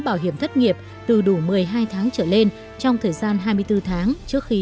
bảo hiểm thất nghiệp từ đủ một mươi hai tháng trở lên trong thời gian hai mươi bốn tháng trước khi